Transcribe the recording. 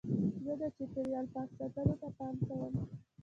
زه د چاپېریال پاک ساتلو ته پام کوم.